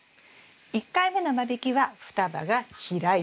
１回目の間引きは双葉が開いたら。